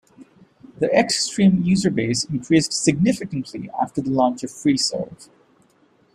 The X-Stream user base increased significantly after the launch of Freeserve.